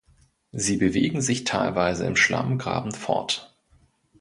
Sie bewegen sich teilweise im Schlamm grabend fort.